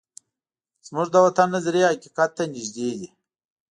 زموږ د دښمن نظریې حقیقت ته نږدې دي.